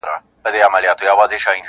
ګوندي وي په یوه کونج کي وکړي دمه -